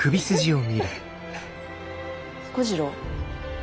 彦次郎？